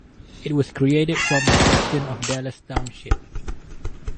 It was created from a section of Dallas Township.